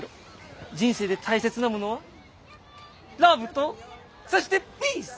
人生で大切なものはラブとそしてピース！